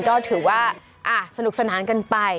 ก็ถือว่าสนุกสนานกันไป